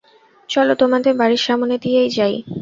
চল, তোমাদের বাড়ির সামনে দিয়েই যাই।